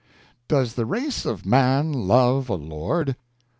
DOES THE RACE OF MAN LOVE A LORD?